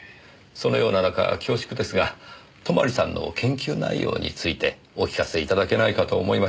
そのような中恐縮ですが泊さんの研究内容についてお聞かせ頂けないかと思いまして。